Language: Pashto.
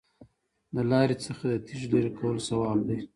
د لارې څخه د تیږې لرې کول ثواب دی.